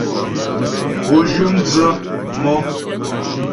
Pǒ zhyə mdzə̌ mɔ́.